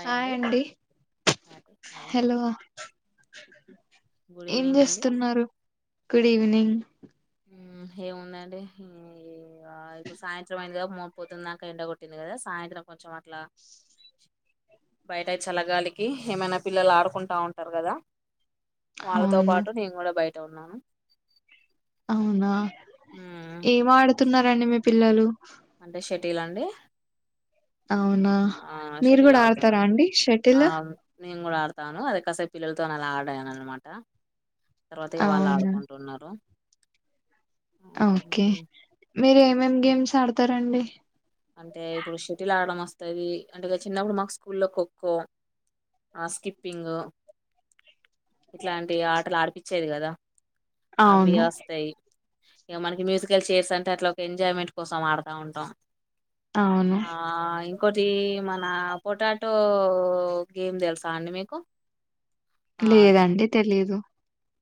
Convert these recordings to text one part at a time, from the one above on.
Hi అండి hi hi హలోవ good ఏం ఈవినింగ్ అండి చేస్తున్నారు గుడ్ ఈవినింగ్. హ్మ్ ఏముందండి ఈ ఆ ఇప్పుడు సాయంత్రం అయిందిగ మో పొద్దున్దాకా ఎండ కొట్టింది కదా సాయంత్రం కొంచం అట్లా బైటయ్ చలగాలికి ఏమైనా పిల్లలు ఆడుకుంటా ఉంటారుకదా. వాళ్ళతో అవును పాటు నేను కూడా బైట ఉన్నాను. ఆవునా మ్మ్ ఏం ఆడుతున్నారండి మీ పిల్లలు? అంటే షటిల్ అండి అవునా ఆ మీరు షటిల్ గుడా ఆడతరా ఆడుతున్నాను అండి శెటిల్ తాను అదే క్కాసేప్ పిల్లలతోనలా అడన్నమాట తర్వాత ఇగ వాల్ అవునా ఆడుకుంటున్నరు. ఆ ఓకే మీరేమేమేం గేమ్స్ ఆడ్తారండి. అంటే ఇప్పుడు శెటిల్ ఆడడం ఓస్తది అంటే ఇగ చిన్నపుడు మాక్ స్కూల్లో ఖోఖో ఆ స్కిప్పింగ్ ఇట్లాంటి ఆటలాడిపిచ్చేది గాదా. అవును అవియొస్తాయి. ఇగ మనకి మ్యూసికల్ చైర్స్ అంటే అట్లా ఒక ఎంజాయ్మెంట్ కోసం ఆడుతా ఉంటాం. అవును ఆ ఇవ్ ఇకోటి మన పొటాటో గేమ్ దేలుసా అండి మీకు? ఆ అది లేదండి తెలీదు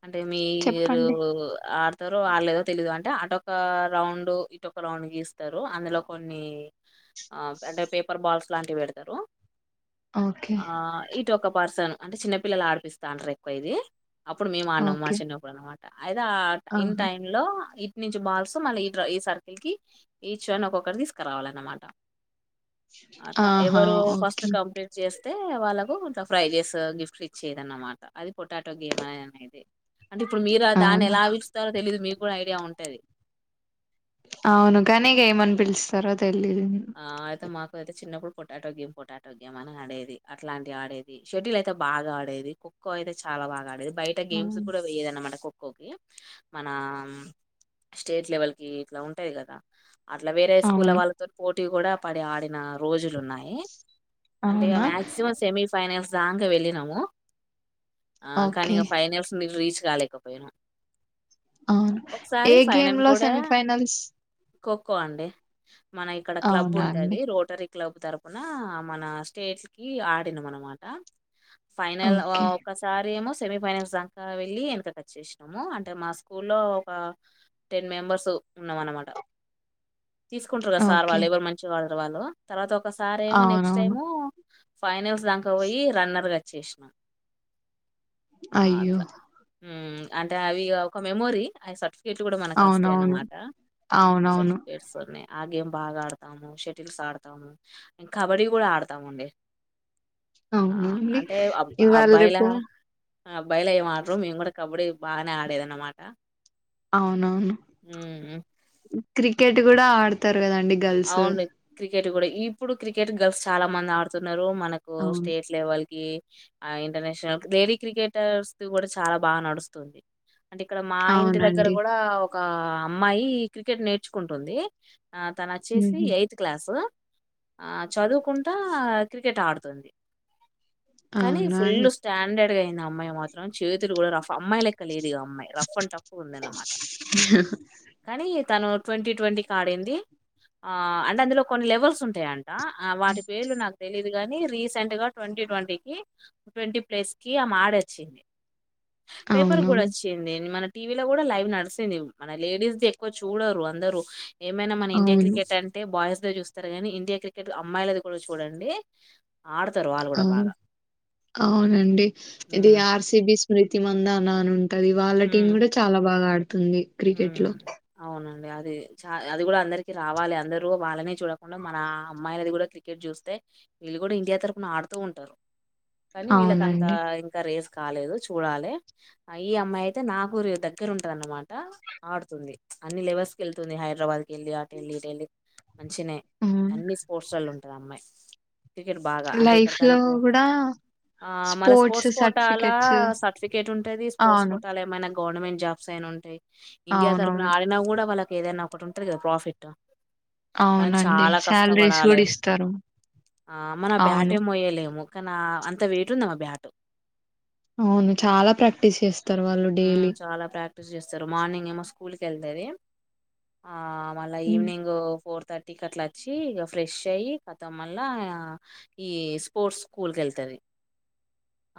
అంటే మీరు చెప్పండి ఆడ్ తరో ఆల్లేదో తెలీదు అంటే అటోక రౌండు, ఇటోక రౌండ్ గీస్తారు. అందులో కొన్ని ఆ అంటే పేపర్ బాల్స్ లాంటివి వేడతరు. ఓకే ఆ ఇటోక పార్సన్ అంటే చిన్నపిల్లలు ఆడిపిస్తా అంటారు ఎక్కువ ఇది. అప్పుడు మేము అన్నాం ఓకే చిన్నప్పుడు అనమాట అయితే ఆ టై ఇన్ ఆహా టైమ్ లో ఇన్ నీంచి బాల్స్ మళ్ళీ ఈడ ఈ సర్కిల్ కి ఈచ్ ఒన్ ఒక్కొక్కరి తీసుకురావాల అన్నమాట. అట్లా ఆహా ఎవరు ఫస్ట్ ఓకే కంప్లీట్ చేస్ తె వాళ్ళకు కొ ఫ్రైజెసు గిఫ్ట్ ఇచ్చేది అనమాట అది పొటాటో గేమ్ అననేది. అంటే ఇప్పుడు మీరు అదాన్ని అవును ఎలా వెలుస్తారు తేలీదు మీగూడా ఐడియా ఉంటది. అవును గానీ ఏమన్ బిల్స్తారో ఆ ఆయితే మా పోతే చిన్నప్పుడు పొటాటో గేమ్, పొటాటో గేమ్ అని ఆడేది. అట్లాంటి ఆడేది షెడ్యూల్ అయితే బాగా ఆడేది కో కో అయితే చాలా బాగా ఆడేది బైట గేమ్స్ గూడా వోయేదన్నమాట. కోకి మన స్టేట్ లెవెల్ కి ఇట్లా ఉంటాయి గదా. అట్లా వేరే స్కూల్ల అవును వాళ్ళతోటీ పోటీ కూడా పడి ఆడెన రోజు ఇట్లున్నాయి అంటే ఆ అవునా మక్సివాం సెమీ ఫైనల్స్ దాక్ వేళ్ళినము. ఆ కనీ ఓకే ఇంగ ఫైనల్స్ మీరు రీచ్ కాలేకపోయినం. అవును ఏ గేమ్ లో కూడా సెమిఫైనల్స్? ఖోఖో అండి మన ఇక్కడ క్లబ్ అవునా ఉంటది అండి? Rotary club. తరపునా మన స్టేట్ కి ఆడినాం అనమాట. ఫైనల్ వో ఓకే. ఒకసారి ఏమో సెమీఫైనల్స్ దాకా వెళ్ళి ఏనకకు వచ్చేసినాము. అంటే మా స్కూల్లో ఒక టెన్ మెంబర్స్ ఉన్నాం అనమాట తిస్ కుంటారు గా సార్ ఓకే. వాళ్లెవరూ మంచి వాళ్రు వాళ్ళు తర్వాత ఒకసార్ ఏమో నెక్స్ట్ అవునవును. టైము ఫైనల్స్ రాకవోయి రన్నర్గాచ్చషన ఆ అయ్యో! అట్లా మ్ అంటే అవిగా ఒక మెమోరీ అసర్టి గేట్లుగుడా మన క్యాస్ట్ అవునవును. అన్నమాట ఆసర్టి అవునవును. ఫికెట్స్ ఉన్నాయ్ ఆ గేమ్ బాగా ఆడతాము, షేటిల్స్ ఆడతాము, కబడ్డీ గూడా ఆడతాము అండి. ఆ అవునండి. అంటే ఆబ్ ఇవాళ అబ్బాయిల రేపు ఆబ్బాయిల ఏం ఆడరు. మేము గూడా కబడ్డీ బానే ఆడేదన్నమాట. అవునవును ఉమ్ క్రికెట్ గూడా ఆడతరు. లేదండి గర్ల్స్ కెట్ గూడా ఇప్పుడు క్రికెట్ గర్ల్స్ చాలా మంది ఆడుతున్నారు. మనకు అవును. స్టేట్ లెవెల్కిక్ యే ఆ ఇంటర్నేషనల్ డేలీ క్రికెటర్స్ కూడా చాలా బాగా నడుస్తుంది. అంటే ఇక్కడ మా ఇంటి దగ్గర అవునండి. గుడా ఒక అమ్మాయి క్రికెట్ నేర్చుకుంటుంది. ఆ తనోచ్చేసి హుహు. ఎయిత్ క్లాసు ఆహ్ చదువుకుంటా క్రికెట్ ఆడుతది. కానీ అవునా ఫుల్ అండి? స్టాండర్డ్గా అయింది ఆ అమ్మాయి మాత్రం. రన్ చేతులు గూడా రఫ్ అమ్మాయి లెక్క లేదు ఈ అమ్మాయి రఫ్ అంన్ టఫ్గుంది అనమాట. కానీ. తను ట్వంటీ ట్వంటీకి ఆడింది. ఆ అంటే అందులో కొన్ని లెవెల్స్ ఉంటాయండి. ఆ వాటి పేర్లు నాకు తెలిదు. తుం గాని రీసెంట్ గా ట్వంటీ ట్వంటీ కి, ట్వంటీ ప్లేస్ కి ఆమె ఆడచ్చింది. పేపర్ కూడా అవునవును. వచ్చింది. మన టీవీ లో కూడా లైవ్ నడిసింది మన లేడీస్ది ఎక్కువ చూడరు అందరు ఏమైనా మన. ఇండియా అవును. క్రికెట్ అంటే బాయ్స్ దే చూస్తారు కానీ ఇండియా క్రికెట్ అమ్మాయిలది కూడా చూడండే. అవును అవునండి ఇది హ్మ్. ఆర్సిబి చ్. స్మ్రితి మందాన అని ఉంటది వాళ్ళ హ్మ్. టీం కూడా చాలా బాగా ఆడుతుంది క్రికెట్ హ్మ్ లో. అవునండి అది చ అది కూడా అందరికి రావాలి అందరు వాళ్ళనే చూడకుండా మన అమ్మాయిలది కూడా క్రికెట్ చూస్తే. వీళ్ళు కూడా ఇండియా తరపున ఆడుతూ ఉంటారు కానీ వీళ్ళకంత అవునండి. ఇంకా రేస్. కాలేదు చూడాలి ఈ అమ్మాయి అయితే నాకు దగ్గర ఉంటది అన్నమాట. ఆహ్ ఆడుతుంది అన్ని లెవెల్స్ కి వెళ్తుంది హైదరాబాద్ కి వెళ్ళి ఆటెళ్ళి ఈటెళ్ళి. మంచినే హ్మ్. అన్ని స్పోర్ట్స్లలో ఉంటది ఆ అమ్మాయి. క్రికెట్ లైఫ్ లో కూడా. ఆహ్ మళ్ళా స్పోర్ట్స్ కోటాల సర్టిఫికేట్ ఉంటది స్పోర్ట్స్ అవును కోటాల ఏమైనా అన్. గవర్నమెంట్ జాబ్స్ అయినా ఉంటాయి ఇండియా తరపున అవునవును ఆడిన కూడా వాళ్ళకు. ఏదైనా ఒకటి ఉంటది కదా ప్రాఫిట్. కానీ అవునండి చాలా శాలరీస్ కష్టపడాలి కూడా ఇస్తారు ఆహ్ మనం అవును బ్యాటే మోయలేము. కాన అంత వేయిట్ ఉందమా బ్యాట్. అవును చాలా ప్రాక్టీస్ చేస్తా. ఉమ్ చాలా ప్రాక్టీస్ చేస్తారు మార్నింగ్ ఏమో స్కూల్ కి వెళ్తది. ఆహ్ మళ్ళా హ్మ్. Evening fourth. థర్టీకట్లా వచ్చి ఇక ఫ్రెష్ అయ్యి కతం మళ్ళ ఈ స్పోర్ట్స్ స్కూల్ కి వెళ్తది.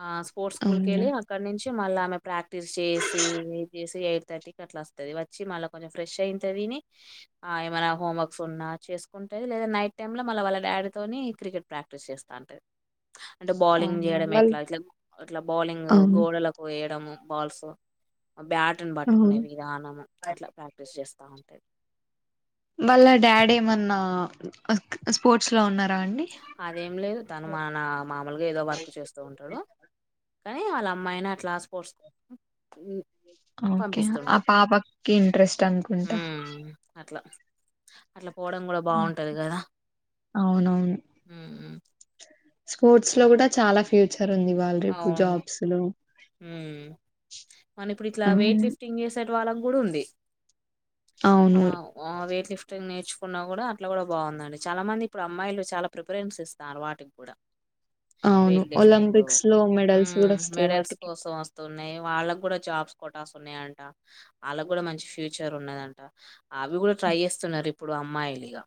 ఆహ్ స్పోర్ట్స్ స్కూల్ అవును కెళ్ళి అక్కడ నుంచి మళ్ళ ఆమె ప్రాక్టీస్ చేసి ఇది చేసి. థర్టీ అట్లా వస్తది వచ్చి మళ్ళ కొంచెం ఫ్రెష్ అయి ఇంత తిని ఆహ్ ఏమన్నా హోంవర్కుస్ ఉన్నా చేసుకుంటది. లేద్ లేదా నైట్ టైమ్ల మళ్ళ వాళ్ళ డాడీ తోని క్రికెట్ ప్రాక్టీస్ చేస్తా ఉంటది. అంటే బౌలింగ్ అవునా చేయడం వాళ్ళు ఎట్లా ఇక ఇట్లా బౌలింగ్ అవును గోడలకు వేయడం. బాల్స్ బ్యాటును పట్టుకునే అవును విధానం అట్లా ప్రాక్టీస్ చేస్తా ఉంటాది. వాళ్ళ డాడీ ఏమన్నా ఆ స్పోర్ట్స్ లో ఉన్నార్. అదేం లేదు తను మ నా మామూలుగా ఏదో వర్క్ చేస్తూ ఉంటాడు. కానీ వాళ్ళ అమ్మాయిని అట్లా స్పోర్ట్స్. ఓకే ఆ పంపిస్తుండు పాపకి ఇంట్రెస్ట్ అనుకుంటా. ఉమ్ అట్లా అట్లా పోవడం కూడా హ్మ్. బాగుంటది కదా. అవునవును స్పోర్ట్స్ లో కూడా చాలా ఫ్యూచర్ ఉంది వాళ్ళు రేపు అవును జాబ్స్ లో. ఉమ్ మనం ఇప్పుడు ఇట్లా అవును వెయిట్ లిఫ్ంగ్ చేస్తె. వాళ్లకు కూడ ఉంది అవును ఆ వెయిట్ లిఫ్టింగ్ నేర్చు. కున్నా కూడా అట్లా కూడా బాగుందండి చాలా మంది ఇప్పుడు అమ్మాయిలు చాలా ప్రిపరేన్స్ ఇస్తన్నారు వాటికి కూడా. అవును వెయిట్ లిఫ్టింగ్ ఒలంపిక్స్ లో. మెడల్స్ కూడా ఉమ్ వస్తాయి మెడల్స్ వాటికి కోసం వస్తున్నాయి వాళ్ళకు కూడా జాబ్స్. ఫోటోస్ ఉన్నాయంట వాళ్ళకు కూడా మంచి ఫ్యూచర్ ఉన్నదంట అవి కూడా ట్రై చేస్తున్నారు ఇప్పుడు. అమ్మాయిలిగా.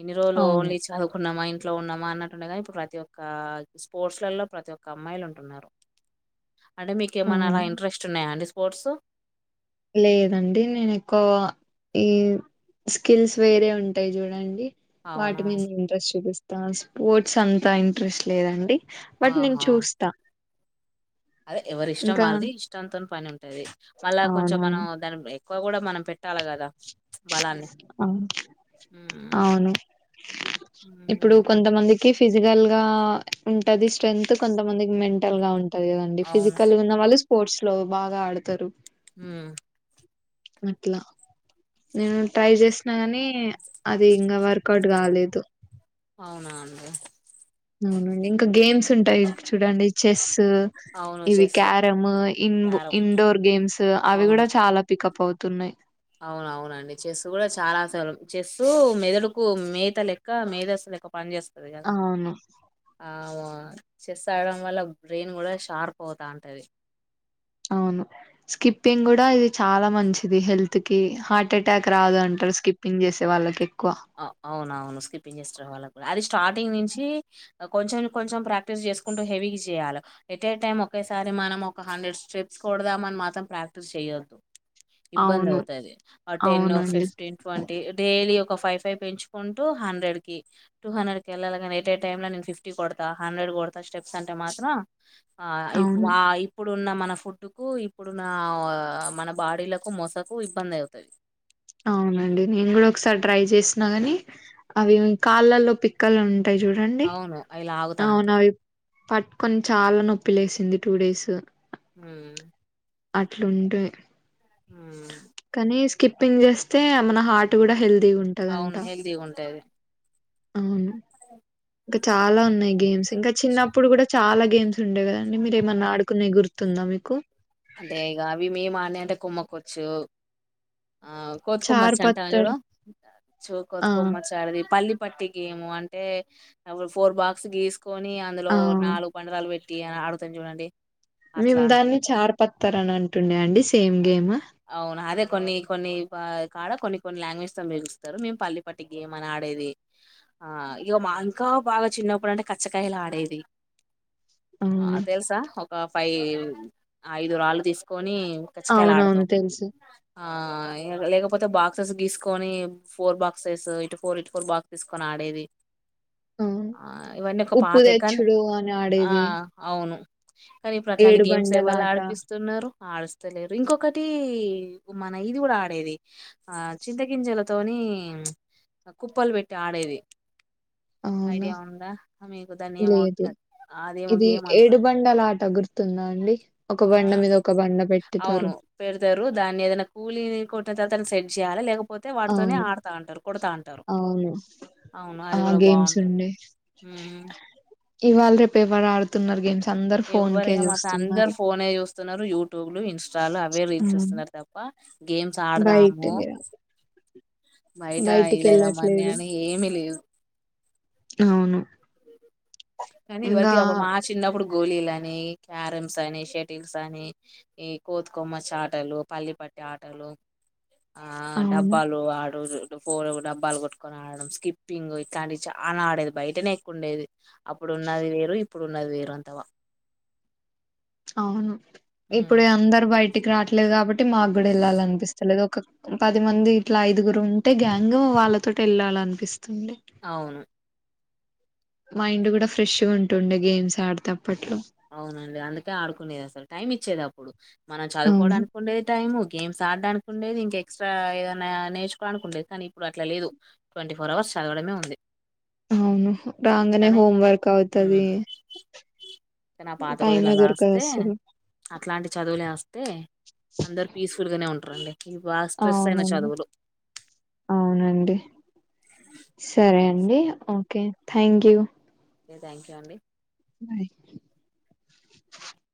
ఇన్ని రోజులు అవును ఓన్లీ చదువుకున్నామా ఇంట్లో ఉన్నామా అన్నట్టుండేగాని ఇప్పుడు ప్రతి ఒక్క స్పోర్ట్స్ లలో ప్రతి ఒక్క. అమ్మాయిలు ఉంటున్నారు. అంటే మీకు ఏమన్నా అలా అవును ఇంట్రెస్ట్ ఉన్నాయా అండి స్పోర్ట్స్. లేదండి నేను ఎక్కువ ఈ. స్కిల్స్ వేరే ఉంటాయి చూడండి. అవునా వాటి మీద ఇంట్రెస్ట్ చూపిస్తా. స్పోర్ట్స్ అంతా ఇంట్రెస్ట్ లేదండి. బట్ నేను ఆహా చూస్తా అదే ఎవరి ఇష్టం ఇంకా వాళ్ళది ఇష్టంతో పని ఉంటది మళ్ళా కొంచెం మనం అవునవును దాని ఎక్కువ కూడా మనం పెట్ తలకదా బలాన్ని అవును ఉమ్. అవును ఇప్పుడు కొంతమందికి. కి ఫిజికల్ గా ఉంటది స్ట్రెంత్ కొంతమందికి మెంటల్ గా ఉంటది. ఉంటాదికదండి అవును ఫిజికల్ గ ఉన్న వాళ్ళు స్పోర్ట్స్ లో బాగా ఆడతారు ఆ అట్లా నేను ట్రై చేసిన గని అది ఇంకా వర్కౌట్ కాలేదు అవునా అండి అవునండి ఇంకా గేమ్స్ ఉంటాయి చూడండి చెస్ సు అవును ఇవి చెస్ క్యారమ్ ఇంబు క్యారం ఇండోర్ గేమ్స్ అవి కూడా చాలా పికప్ అవుత్ తున్నాయి అవునవునండి చెస్ కూడా చాలా సల్ చెస్ మెదడుకు మేత లెక్క మేధస్ లెక్క పని చేస్తాది కదా అవును అ ఆ మా చెస్ ఆడడం వల్ల బ్రెయిన్ కూడా షార్ప్ అవుతఉంటది అవును స్కిప్పింగ్ కూడా ఇది చాలా మంచిది హెల్త్ కి హార్ట్ అటాక్ రాదు అంట్ టరు స్కిప్పింగ్ చేసే వాళ్ళకి ఎక్కువ అ అవునవును స్కిప్పింగ్ చేస్త్ర వాళ్ళకి కూడా అది స్టార్టింగ్ నుంచి టీ కొంచం కొంచం ప్రాక్టీస్ చేసుకుంటు హెవీగిసచేయాలి ఎట్ ఎ టైం ఒకేసారి మనం ఒక హ హండ్రెడ్ స్టెప్స్ కొడదామని మాత్రం ప్రాక్టీస్ చేయొద్దు ఇబ్బంది అవును అవుతాది ఆ టెన్ అవునండి ఫిఫ్టీన్ ట్వంటీ డైలీ ఒక ఫైవ్ ఫైవ్ పెంచుకుంటూ హండ్రెడ్ కి టూ హండ్రెడ్ కి వెళ్ళాలగనీ ఎట్ ఏ టైమ్ లో నేను ఫిఫ్టీ కొడతా హండ్రెడ్ కొడతా స్టెప్స్ అంటే మాత్రం ఆ ఇప్ అవును ఆ ఇప్పుడు ఇప్పుడున్న మన ఫుడ్కు ఇప్పుడున్న అ మన బాడీలకు మొసకు ఇబ్బంది అవుతది అవునండి నేను కూడా ఒకసారి ట్రై చేసిన గాని అవి కాళ్ళల్లో పిక్కలు ఉం టాయి చూడండి అవును అవి లాగుతా అంటే అవునవి పట్టుకొన్ చాలా నొప్పి లేసింది టూ డేస్ ఉమ్ అట్లుంటే ఉమ్ కానీ స్కిప్పింగ్ చేస్తే మన హార్ట్ కూడా హెల్దీగా ఉంటదంట అవును హెల్తీగా ఉంటది అవును ఇంకా చాలా ఉన్నాయి గేమ్స్ ఇంకా చిన్నప్పుడు కూడా చాలా గేమ్స్ ఉండెకదండి మీరేమన్నా ఆడుకునే గుర్తు తుందా మీకు అంటే ఇక అవి మేము ఆనే అంత కుమ్మకోచ్చు ఆ చార్ కొతుకొమచ్చ పత్తర్ అంటాంచుడు చ్ ఆ కొతుకమచ్చడది పల్లి పట్టి గేము అంటే వ్ ఫోర్ బాక్స్ గీసుకొని అందులో ఆ నాలుగు పండరాలు పెట్ టీ ఆడుతం చూడండి మేము అట్లాంటి దాన్ని చార్ పత్తారని అంటుండే అండి సేమ్ గేమ్ అవునా అదే కొన్ని కొన్ని బ్ కాడ కొన్ని కొన్ని లాంగ్వేజ్స్ తో పిలుస్తారు మేము పల్ల పట్టి గేమ్ అని ఆడేది ఆ ఇక మా ఇంకా బాగా చిన్నప్పుడు అంటే కచ్చకాయలు ఆడేది ఆ అవును తెలుసా ఒక ఫైవ్ ఐదు రాళ్ళు తీసుకొని క్ కచ్చికాయలు ఆడతం అవునవును తెలుసు ఆ లేక కాకపోతే బాక్సెస్ గీసుకొని ఫోర్ బాక్సెస్ ఇటు ఫోర్ ఇటు ఫోర్ బాక్స్ తీసుకొని ఆడేది అవును ఆ ఇవన్నీ ఒక ఉప్పు పాతయి కానీ తెచ్చుడు అని ఆ ఆడేది అవును కానీ ఇప్పుడు అట్లాంటి ఏడు గేమ్స్ ఎవలు బండలాట ఆడిపిస్తున్నారు ఆవొస్తలేరు. ఇంకొకటీ మన ఇది గుడా ఆడేది ఆ చింత గింజలతోని మ్ కుప్పల్ పెట్టి ఆడేది. అవునా ఐడియా ఉందా మీకు దాన్ని ఏమో లేదు అ అదేమో గేమ్ అంటరన్ తుందా అండి. ఒక ఆ బండ మీద ఒక బండ పెట్టుతారు అవును పెడ్తరు దాన్ని ఏదైనా కూలీని కొట్న తర్వాత దాన్ని సెట్ చేయాలి లేక్ పోతే వాటితోనే అవును ఆడుతా ఉంటారు కొడతా అంటారు అవును ఉమ్ ఆ గేమ్స్ ఇవాల్ రేపు ఎవరు ఆడుతున్నారు గేమ్స్ అందరు ఫోన్ ఎవర కే మా అందరు చూస్తున్నారు ఫోనే చూస్తున్నారు యూట్యూబ్లు ఇన్స్టాలు అవే రీల్స్ ఉమ్ చూస్తున్నారు తప్ప గేమ్స్ బయట ఆడ్దాము. బైట బయటికి ఇదే రమ్మని వెళ్ళట్లేదు అని ఏమీ లేదు. అవును. కానీ ఇది ఇంకా వరికి మా చిన్నప్పుడు గోలీలని, క్యారమ్స్ అని, షటిల్స్ అని, ఈ కోతి కొమ్మ చాటలు, పల్లి ప ఆటలు ఆ అవును డబ్బాలు ఆడు ఫోనుకు డబ్బాలు కొట్టుకొని ఆడడం స్కిప్పింగ్ ఇట్లాంటివి చాలా ఆడేది బయటనే ఎక్కు ఉండేది. అప్పుడున్నది వేరు ఇప్పుడున్నది వేరు అంతవ అవును ఇప్పుడే అందరు బైటికి రావట్ లేద్ కాబట్టి మాకు గుడా ఎళ్ళాలన్పిస్తలేదు. ఒక పది మంది ఇట్లా ఐదుగురు ఉంటే గ్యాంగ్ వాళ్ళతో టెళ్ళాలన్పిస్తుంది. అవును మైండ్ గుడా ఫ్రెష్గుంటుండే గేమ్స్ ఆడ్తాం. అవునండి అందుకే ఆడుకునేది అసలు టైం ఇచ్చేదప్పుడు మనం అవును చదువుకోవడానికి ఉండేది టైము. గేమ్స్ ఆడ్డానికి ఉండేది ఇంకా ఎక్స్ట్రా ఏదన్న నేర్చుకోవడానికి ఉండేది. కానీ ఇప్పుడు అట్లా లేదు ట్వంటీ ఫోర్ అవర్స్ చదవడమే ఉంది. అవును రాంగనే కానీ హోమ్ వర్క్ అవుతది. కాని ఆ పాత రోజులు టైమే అలా దొరకదు అస్తే అస్సలు అట్లాంటి చదువులే అస్తే అందరు పీస్ఫుల్గనే ఉంటారండి ఇ బాగా స్ట్రెస్ అయిన అవునండి చదువులు అవునండి సరే అండి okay thank you. Okay thank you అండి. బయ్